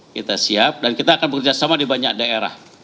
kita siap dan kita akan bekerjasama di banyak daerah